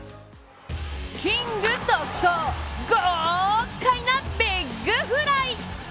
キング独走、豪快なビッグフライ！